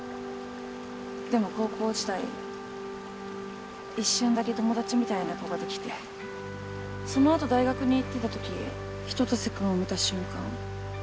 でも高校時代一瞬だけ友達みたいな子ができてそのあと大学に行ってたとき春夏秋冬君を見た瞬間